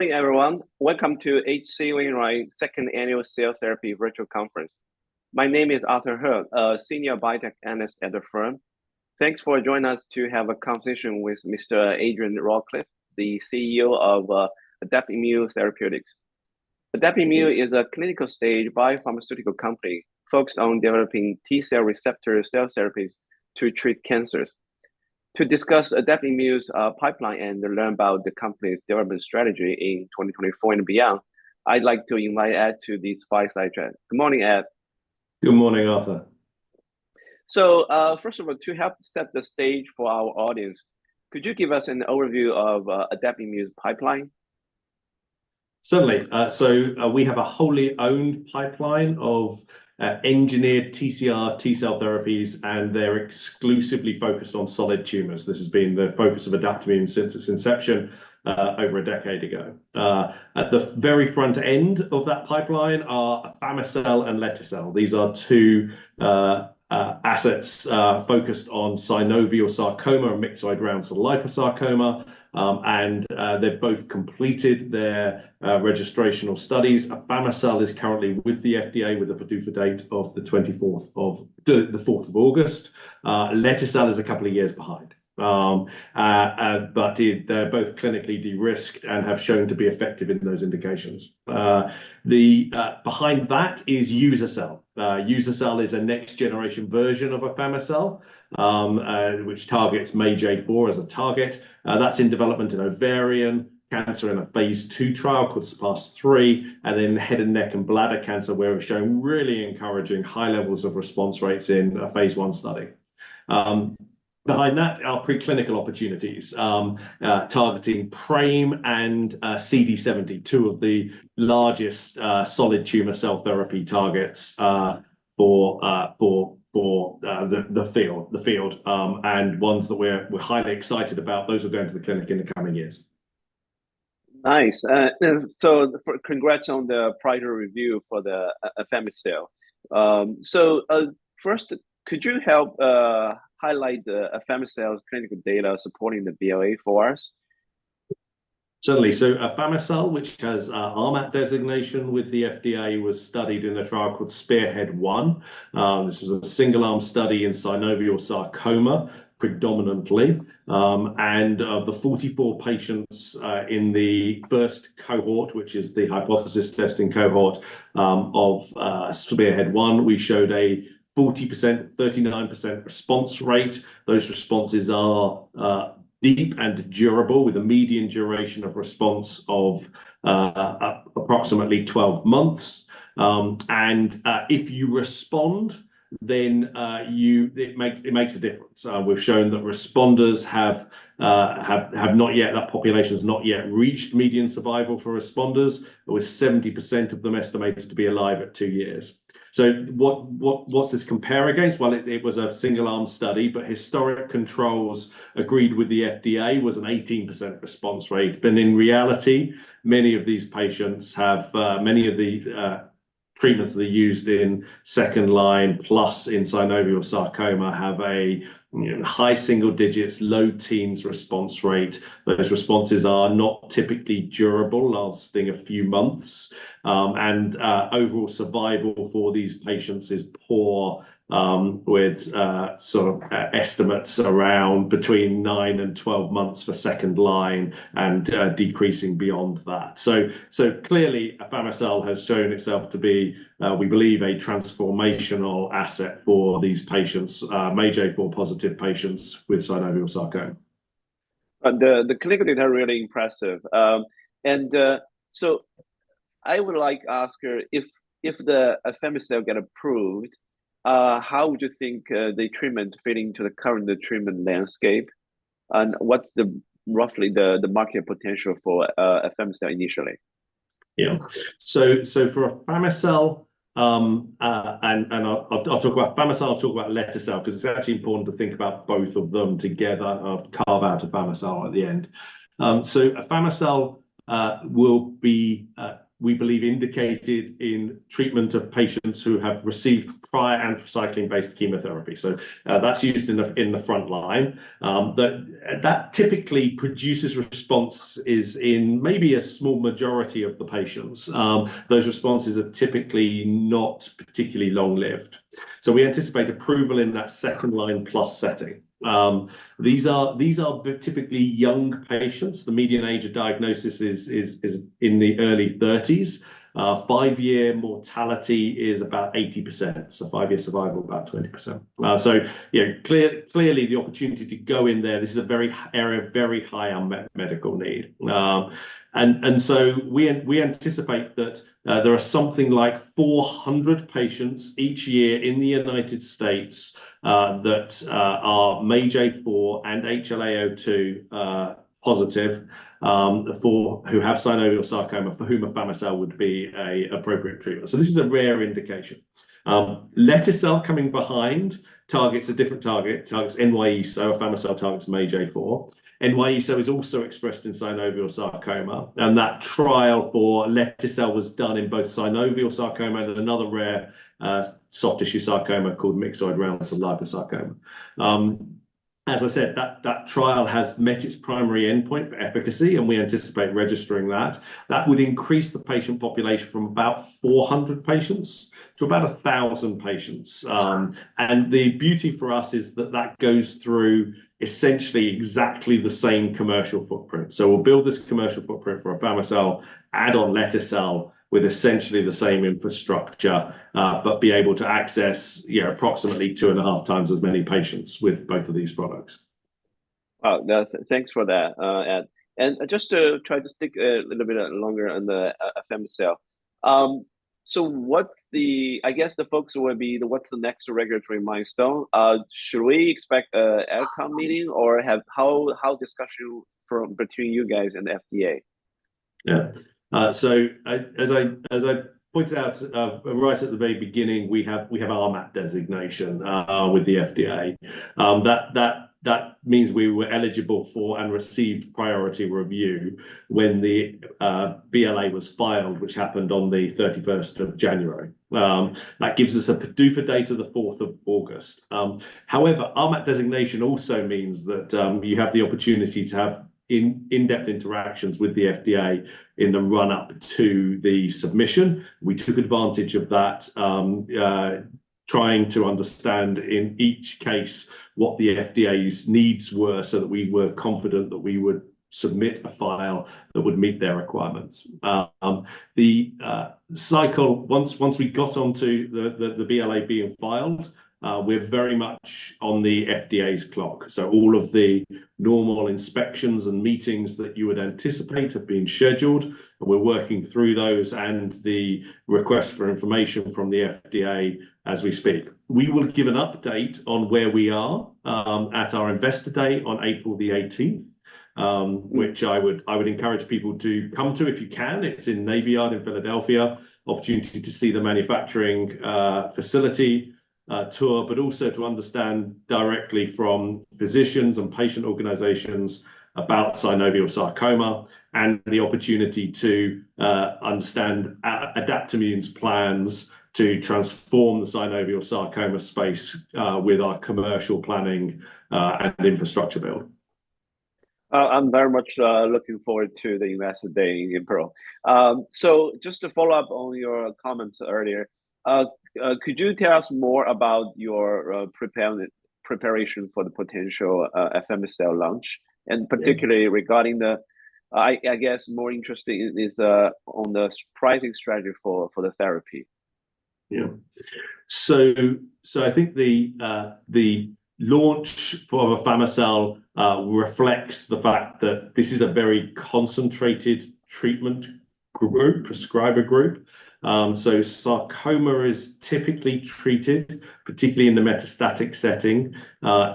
Hey everyone, welcome to H.C. Wainwright Second Annual Cell Therapy Virtual Conference. My name is Arthur He, a Senior Biotech Analyst at the firm. Thanks for joining us to have a conversation with Mr. Adrian Rawcliffe, the CEO of Adaptimmune Therapeutics. Adaptimmune is a clinical-stage biopharmaceutical company focused on developing T-cell receptor cell therapies to treat cancers. To discuss Adaptimmune's pipeline and learn about the company's development strategy in 2024 and beyond, I'd like to invite Adrian to this virtual. Good morning, Adrian. Good morning, Arthur. First of all, to help set the stage for our audience, could you give us an overview of Adaptimmune's pipeline? Certainly. We have a wholly owned pipeline of engineered TCR T-cell therapies, and they're exclusively focused on solid tumors. This has been the focus of Adaptimmune since its inception over a decade ago. At the very front end of that pipeline are afami-cel and lete-cel. These are two assets focused on synovial sarcoma and myxoid round cell liposarcoma, and they've both completed their registrational studies. Afami-cel is currently with the FDA with a PDUFA date of the 24th of August. Lete-cel is a couple of years behind, but they're both clinically de-risked and have shown to be effective in those indications. Behind that is uza-cel. Uza-cel is a next-generation version of afami-cel, which targets MAGE-A4 as a target. That's in development in ovarian cancer in a phase II trial, could surpass III, and then head and neck and bladder cancer, where we're showing really encouraging high levels of response rates in a phase I study. Behind that are preclinical opportunities targeting PRAME and CD70, two of the largest solid tumor cell therapy targets for the field, and ones that we're highly excited about. Those are going to the clinic in the coming years. Nice. Congrats on the priority review for the afami-cel. First, could you help highlight the afami-cel's clinical data supporting the BLA for us? Certainly. So afami-cel, which has RMAT designation with the FDA, was studied in a trial called SPEARHEAD-1. This was a single-arm study in synovial sarcoma predominantly, and of the 44 patients in the first cohort, which is the hypothesis testing cohort of SPEARHEAD-1, we showed a 40%, 39% response rate. Those responses are deep and durable, with a median duration of response of approximately 12 months. And if you respond, then it makes a difference. We've shown that responders have not yet that population has not yet reached median survival for responders, but with 70% of them estimated to be alive at two years. So what's this compare against? Well, it was a single-arm study, but historic controls agreed with the FDA was an 18% response rate. But in reality, many of these patients have many of the treatments that are used in second-line plus in synovial sarcoma have a high single-digits, low teens response rate. Those responses are not typically durable, lasting a few months, and overall survival for these patients is poor, with sort of estimates around between 9 and 12 months for second-line and decreasing beyond that. So clearly, afami-cel has shown itself to be, we believe, a transformational asset for these patients, MAGE-A4-positive patients with synovial sarcoma. The clinical data are really impressive. And so I would like to ask, if the afami-cel got approved, how would you think the treatment fitting into the current treatment landscape, and what's roughly the market potential for an afami-cel initially? Yeah. So for afami-cel and I'll talk about afami-cel, I'll talk about lete-cel because it's actually important to think about both of them together or carve out an afami-cel at the end. So afami-cel will be, we believe, indicated in treatment of patients who have received prior anthracycline-based chemotherapy. So that's used in the front line. That typically produces response is in maybe a small majority of the patients. Those responses are typically not particularly long-lived. So we anticipate approval in that second-line plus setting. These are typically young patients. The median age of diagnosis is in the early 30s. Five-year mortality is about 80%, so five-year survival about 20%. So clearly, the opportunity to go in there, this is an area of very high medical need. And so we anticipate that there are something like 400 patients each year in the United States that are MAGE-A4 and HLA-A2-positive who have synovial sarcoma, for whom an afami-cel would be an appropriate treatment. So this is a rare indication. Lete-cel coming behind targets a different target. Targets NY-ESO-1, an afami-cel targets MAGE-A4. NY-ESO-1 is also expressed in synovial sarcoma, and that trial for lete-cel was done in both synovial sarcoma and another rare soft-tissue sarcoma called myxoid round cell liposarcoma. As I said, that trial has met its primary endpoint for efficacy, and we anticipate registering that. That would increase the patient population from about 400 patients to about 1,000 patients. And the beauty for us is that that goes through essentially exactly the same commercial footprint. So we'll build this commercial footprint for afami-cel, add on lete-cel with essentially the same infrastructure, but be able to access approximately 2.5 times as many patients with both of these products. Wow. Thanks for that, Ad. And just to try to stick a little bit longer on the afami-cel. So I guess the folks who would be the what's the next regulatory milestone? Should we expect an AdComm meeting, or how is the discussion between you guys and the FDA? Yeah. So as I pointed out right at the very beginning, we have RMAT designation with the FDA. That means we were eligible for and received priority review when the BLA was filed, which happened on the 31st of January. That gives us a PDUFA date of the 4th of August. However, RMAT designation also means that you have the opportunity to have in-depth interactions with the FDA in the run-up to the submission. We took advantage of that, trying to understand in each case what the FDA's needs were so that we were confident that we would submit a file that would meet their requirements. Once we got onto the BLA being filed, we're very much on the FDA's clock. So all of the normal inspections and meetings that you would anticipate have been scheduled, and we're working through those and the request for information from the FDA as we speak. We will give an update on where we are at our investor day on April the 18th, which I would encourage people to come to if you can. It's in Navy Yard in Philadelphia, opportunity to see the manufacturing facility tour, but also to understand directly from physicians and patient organizations about synovial sarcoma and the opportunity to understand Adaptimmune's plans to transform the synovial sarcoma space with our commercial planning and infrastructure build. I'm very much looking forward to the investor day in Peru. Just to follow up on your comments earlier, could you tell us more about your preparation for the potential afami-cel launch, and particularly regarding the, I guess, more interesting is on the pricing strategy for the therapy? Yeah. So I think the launch of afami-cel reflects the fact that this is a very concentrated treatment group, prescriber group. So sarcoma is typically treated, particularly in the metastatic setting,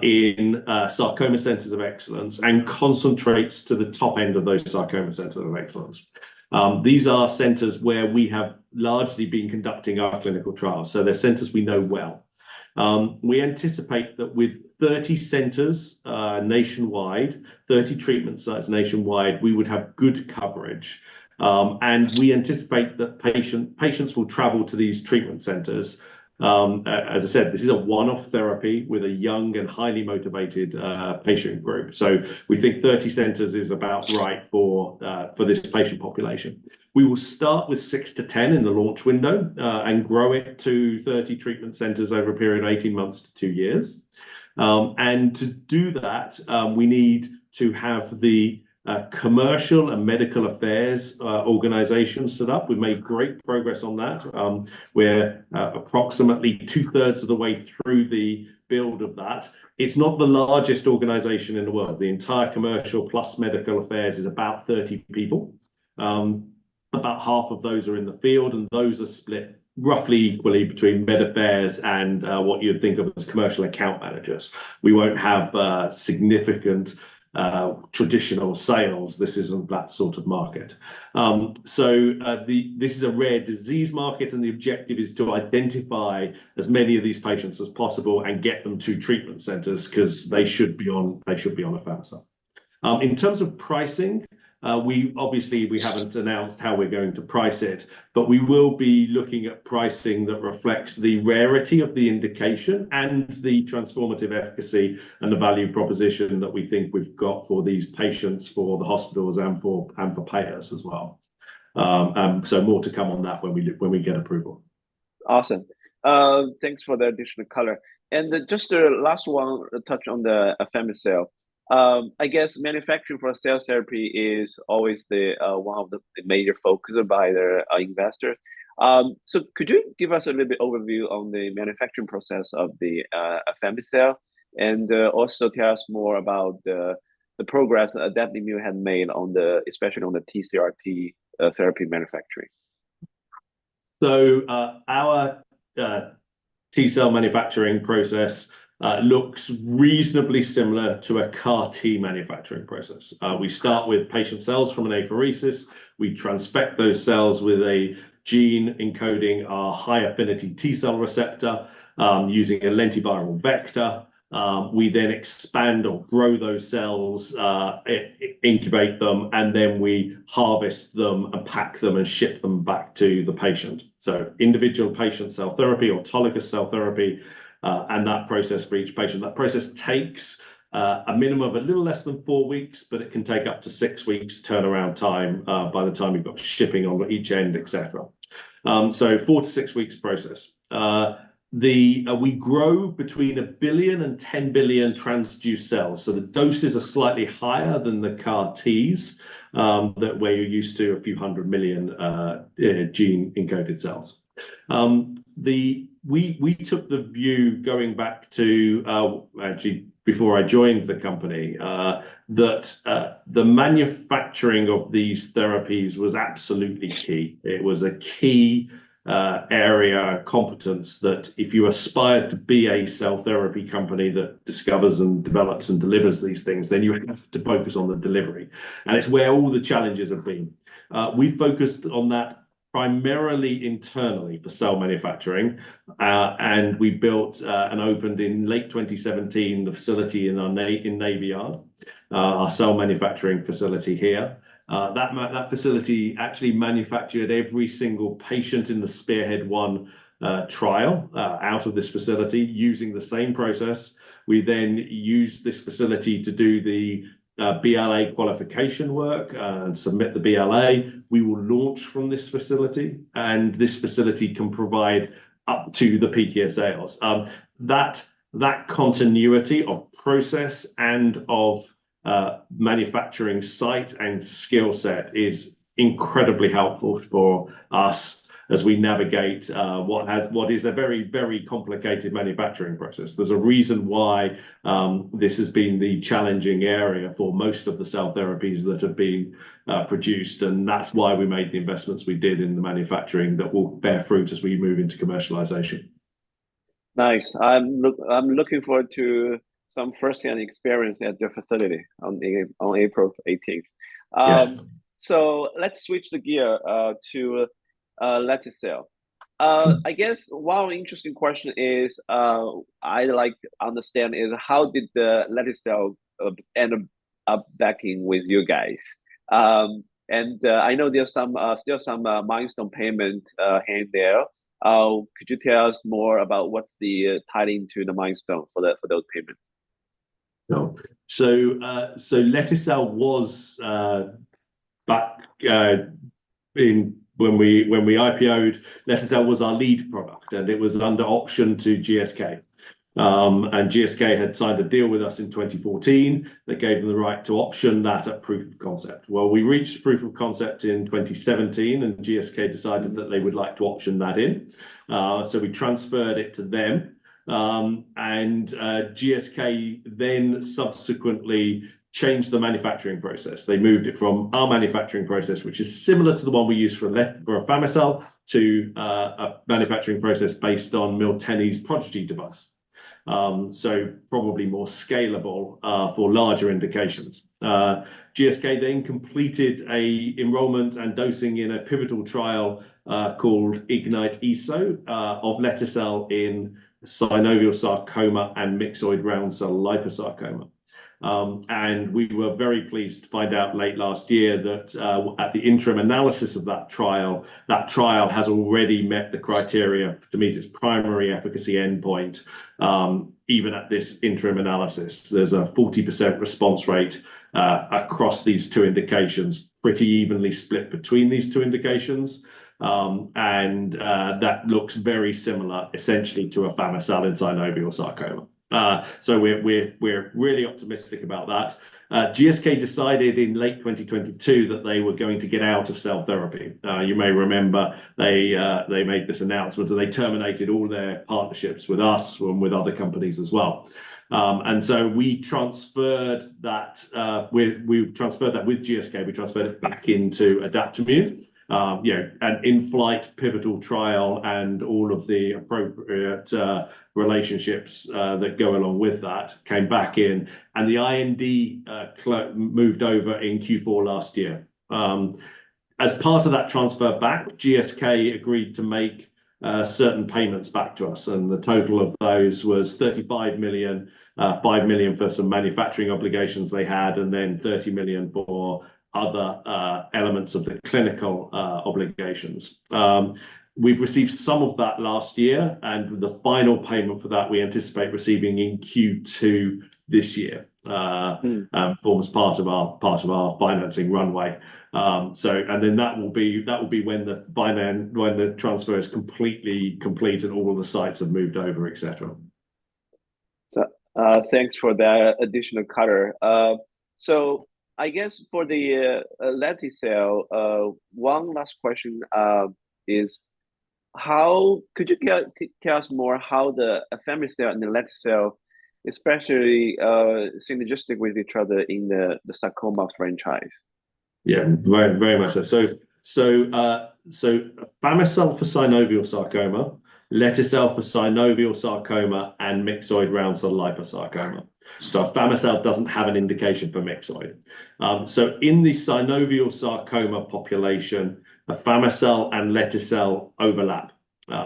in sarcoma centers of excellence and concentrates to the top end of those sarcoma centers of excellence. These are centers where we have largely been conducting our clinical trials. So they're centers we know well. We anticipate that with 30 centers nationwide, 30 treatment sites nationwide, we would have good coverage. And we anticipate that patients will travel to these treatment centers. As I said, this is a one-off therapy with a young and highly motivated patient group. So we think 30 centers is about right for this patient population. We will start with 6-10 in the launch window and grow it to 30 treatment centers over a period of 18 months to 2 years. To do that, we need to have the commercial and medical affairs organization set up. We've made great progress on that. We're approximately two-thirds of the way through the build of that. It's not the largest organization in the world. The entire commercial plus medical affairs is about 30 people. About half of those are in the field, and those are split roughly equally between med affairs and what you'd think of as commercial account managers. We won't have significant traditional sales. This isn't that sort of market. So this is a rare disease market, and the objective is to identify as many of these patients as possible and get them to treatment centers because they should be on afami-cel. In terms of pricing, obviously, we haven't announced how we're going to price it, but we will be looking at pricing that reflects the rarity of the indication and the transformative efficacy and the value proposition that we think we've got for these patients, for the hospitals, and for payers as well. So more to come on that when we get approval. Awesome. Thanks for the additional color. And just the last one, a touch on the afami-cel. I guess manufacturing for cell therapy is always one of the major focuses by their investors. So could you give us a little bit overview on the manufacturing process of the afami-cel and also tell us more about the progress that Adaptimmune has made, especially on the TCR-T therapy manufacturing? So our T-cell manufacturing process looks reasonably similar to a CAR-T manufacturing process. We start with patient cells from an apheresis. We transfect those cells with a gene encoding our high-affinity T-cell receptor using a lentiviral vector. We then expand or grow those cells, incubate them, and then we harvest them and pack them and ship them back to the patient. So individual patient cell therapy, autologous cell therapy, and that process for each patient. That process takes a minimum of a little less than 4 weeks, but it can take up to 6 weeks turnaround time by the time you've got shipping on each end, etc. So 4-6 weeks process. We grow between 1 billion and 10 billion transduced cells. So the doses are slightly higher than the CAR-Ts where you're used to a few hundred million gene-encoded cells. We took the view going back to actually before I joined the company that the manufacturing of these therapies was absolutely key. It was a key area competence that if you aspire to be a cell therapy company that discovers and develops and delivers these things, then you have to focus on the delivery. It's where all the challenges have been. We've focused on that primarily internally for cell manufacturing. We built and opened in late 2017 the facility in Navy Yard, our cell manufacturing facility here. That facility actually manufactured every single patient in the SPEARHEAD-1 trial out of this facility using the same process. We then use this facility to do the BLA qualification work and submit the BLA. We will launch from this facility, and this facility can provide up to the Peak sales. That continuity of process and of manufacturing site and skill set is incredibly helpful for us as we navigate what is a very, very complicated manufacturing process. There's a reason why this has been the challenging area for most of the cell therapies that have been produced, and that's why we made the investments we did in the manufacturing that will bear fruit as we move into commercialization. Nice. I'm looking forward to some first-hand experience at your facility on April 18th. So let's switch gears to lete-cel. I guess one interesting question I'd like to understand is, how did the lete-cel end up back with you guys? And I know there's still some milestone payment hanging there. Could you tell us more about what's the tie-in to the milestone for those payments? No. So lete-cel was back when we IPOed. Lete-cel was our lead product, and it was under option to GSK. And GSK had signed a deal with us in 2014 that gave them the right to option that at proof of concept. Well, we reached proof of concept in 2017, and GSK decided that they would like to option that in. So we transferred it to them. And GSK then subsequently changed the manufacturing process. They moved it from our manufacturing process, which is similar to the one we use for afami-cel, to a manufacturing process based on Miltenyi's Prodigy device. So probably more scalable for larger indications. GSK then completed an enrolment and dosing in a pivotal trial called IGNYTE-ESO of lete-cel in synovial sarcoma and myxoid round cell liposarcoma. We were very pleased to find out late last year that at the interim analysis of that trial, that trial has already met the criteria to meet its primary efficacy endpoint, even at this interim analysis. There's a 40% response rate across these two indications, pretty evenly split between these two indications. And that looks very similar, essentially, to afami-cel in synovial sarcoma. So we're really optimistic about that. GSK decided in late 2022 that they were going to get out of cell therapy. You may remember they made this announcement, and they terminated all their partnerships with us and with other companies as well. And so we transferred that with GSK. We transferred it back into Adaptimmune. And in-flight pivotal trial and all of the appropriate relationships that go along with that came back in. And the IND moved over in Q4 last year. As part of that transfer back, GSK agreed to make certain payments back to us. The total of those was $35 million, $5 million for some manufacturing obligations they had, and then $30 million for other elements of the clinical obligations. We've received some of that last year, and the final payment for that we anticipate receiving in Q2 this year as part of our financing runway. Then that will be when the transfer is completely complete and all of the sites have moved over, etc. Thanks for that additional color. So I guess for the lete-cel, one last question is, could you tell us more how the afami-cel and the lete-cel especially synergistic with each other in the sarcoma franchise? Yeah, very much so. So afami-cel for synovial sarcoma, lete-cel for synovial sarcoma, and myxoid round cell liposarcoma. So an afami-cel doesn't have an indication for myxoid. So in the synovial sarcoma population, an afami-cel and lete-cel overlap.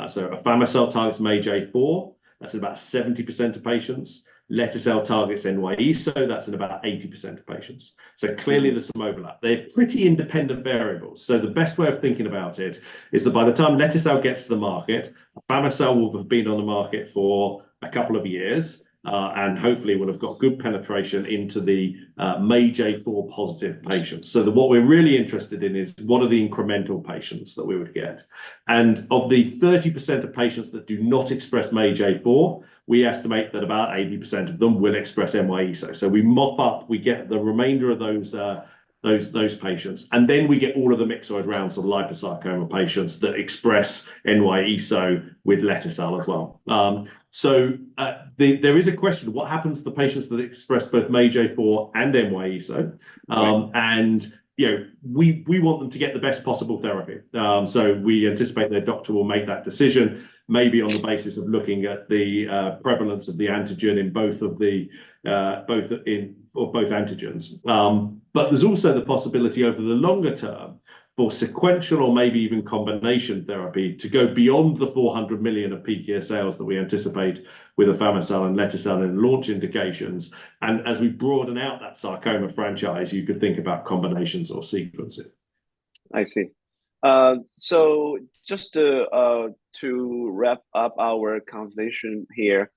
So an afami-cel targets MAGE-A4. That's in about 70% of patients. Lete-cel targets NY-ESO-1. That's in about 80% of patients. So clearly, there's some overlap. They're pretty independent variables. So the best way of thinking about it is that by the time lete-cel gets to the market, an afami-cel will have been on the market for a couple of years and hopefully will have got good penetration into the MAGE-A4 positive patients. So what we're really interested in is, what are the incremental patients that we would get? And of the 30% of patients that do not express MAGE-A4, we estimate that about 80% of them will express NY-ESO-1. So we mop up. We get the remainder of those patients. And then we get all of the myxoid round cell liposarcoma patients that express NY-ESO with lete-cel as well. So there is a question, what happens to the patients that express both MAGE-A4 and NY-ESO? And we want them to get the best possible therapy. So we anticipate their doctor will make that decision, maybe on the basis of looking at the prevalence of the antigen in both antigens. But there's also the possibility over the longer term for sequential or maybe even combination therapy to go beyond the $400 million of peak sales that we anticipate with afami-cel and lete-cel in launch indications. And as we broaden out that sarcoma franchise, you could think about combinations or sequencing. I see. So just to wrap up our conversation here,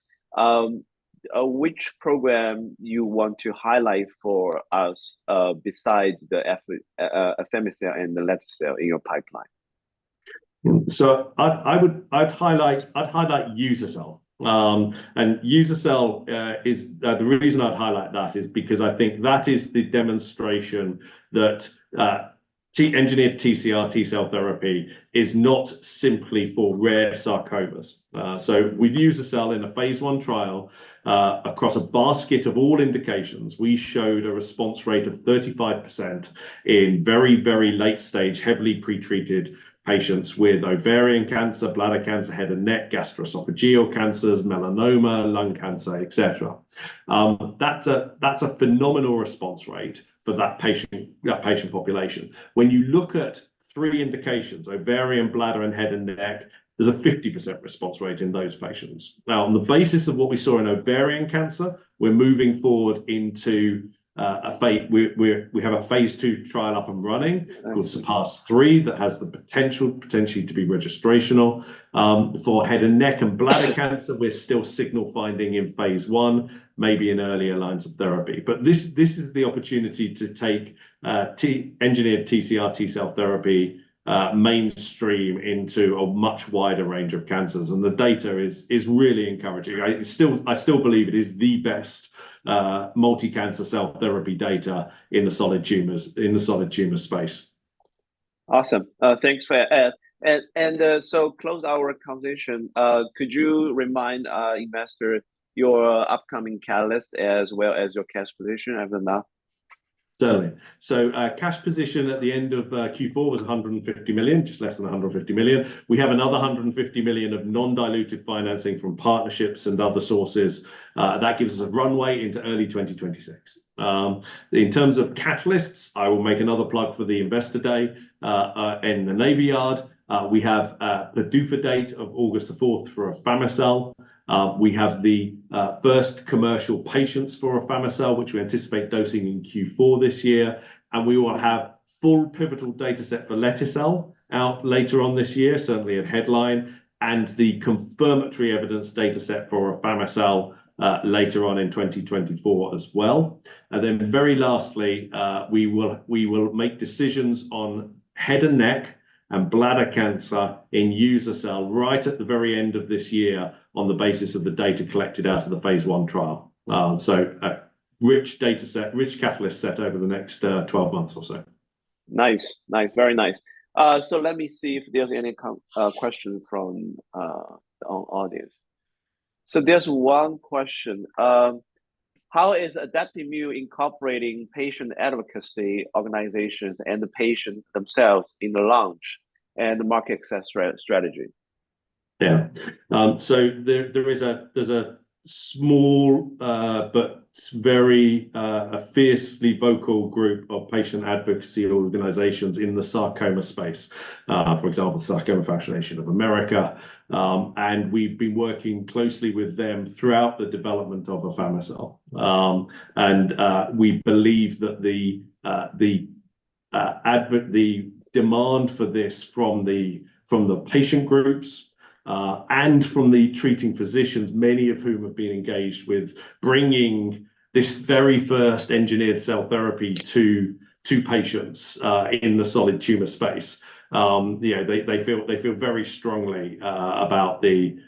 which program you want to highlight for us besides the afami-cel and the lete-cel in your pipeline? So I'd highlight uza-cel. And uza-cel is the reason I'd highlight that is because I think that is the demonstration that engineered TCR T-cell therapy is not simply for rare sarcomas. So with uza-cel in a phase one trial across a basket of all indications, we showed a response rate of 35% in very, very late-stage, heavily pretreated patients with ovarian cancer, bladder cancer, head and neck, gastroesophageal cancers, melanoma, lung cancer, etc. That's a phenomenal response rate for that patient population. When you look at three indications, ovarian, bladder, and head and neck, there's a 50% response rate in those patients. Now, on the basis of what we saw in ovarian cancer, we're moving forward into a we have a phase two trial up and running called SURPASS-3 that has the potential potentially to be registrational. For head and neck and bladder cancer, we're still signal finding in phase 1, maybe in earlier lines of therapy. But this is the opportunity to take engineered TCR T-cell therapy mainstream into a much wider range of cancers. The data is really encouraging. I still believe it is the best multi-cancer cell therapy data in the solid tumor space. Awesome. Thanks for that. And so to close our conversation, could you remind investors your upcoming catalyst as well as your cash position, I don't know? Certainly. So cash position at the end of Q4 was $150 million, just less than $150 million. We have another $150 million of non-dilutive financing from partnerships and other sources. That gives us a runway into early 2026. In terms of catalysts, I will make another plug for the Investor Day in the Navy Yard. We have the PDUFA date of August 4th for afami-cel. We have the first commercial patients for afami-cel, which we anticipate dosing in Q4 this year. And we will have full pivotal dataset for lete-cel out later on this year, certainly a headline, and the confirmatory evidence dataset for afami-cel later on in 2024 as well. Then very lastly, we will make decisions on head and neck and bladder cancer in uza-cel right at the very end of this year on the basis of the data collected out of the phase 1 trial. Rich catalyst set over the next 12 months or so. Nice. Nice. Very nice. So let me see if there's any question from the audience. So there's one question. How is Adaptimmune incorporating patient advocacy organizations and the patient themselves in the launch and the market access strategy? Yeah. So there's a small but very fiercely vocal group of patient advocacy organizations in the sarcoma space, for example, Sarcoma Foundation of America. And we've been working closely with them throughout the development of afami-cel. And we believe that the demand for this from the patient groups and from the treating physicians, many of whom have been engaged with bringing this very first engineered cell therapy to patients in the solid tumor space, they feel very strongly about the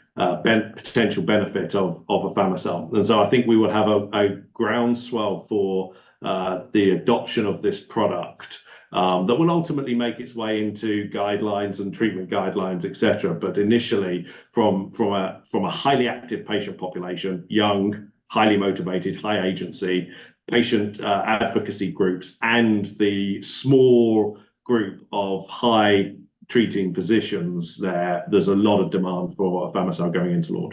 potential benefit of afami-cel. And so I think we will have a groundswell for the adoption of this product that will ultimately make its way into guidelines and treatment guidelines, etc. But initially, from a highly active patient population, young, highly motivated, high-agency patient advocacy groups, and the small group of high-treating physicians there, there's a lot of demand for afami-cel going into launch.